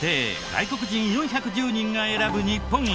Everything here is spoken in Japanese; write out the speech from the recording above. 外国人４１０人が選ぶ日本一！